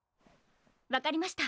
分かりました